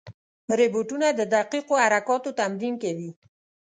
روبوټونه د دقیقو حرکاتو تمرین کوي.